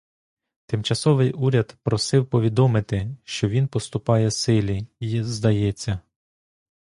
Тимчасовий уряд просив повідомити, що він поступає силі й здається.